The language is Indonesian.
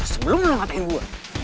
sebelum lo ngatain gue